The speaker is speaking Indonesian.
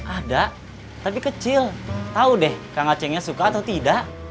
ada tapi kecil tahu deh kang acehnya suka atau tidak